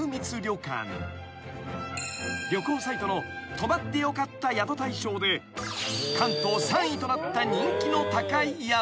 ［旅行サイトの泊まって良かった宿大賞で関東３位となった人気の高い宿］